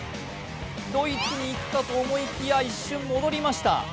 ドイツに行ったと思いきや一瞬戻りました。